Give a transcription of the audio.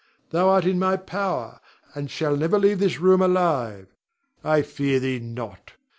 Thou art in my power, and shall never leave this room alive. I fear thee not.